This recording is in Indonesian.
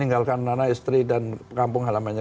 kalau ada istri dan kampung halamannya